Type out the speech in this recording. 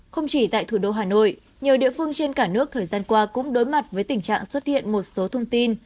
không chỉ tại thủ đô hà nội nhiều địa phương trên cả nước thời gian qua cũng đối mặt với tình trạng xuất hiện một số thông tin